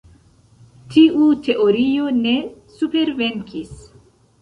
Tiu teorio ne supervenkis.